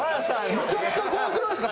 むちゃくちゃ怖くないですか？